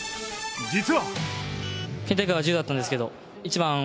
実は。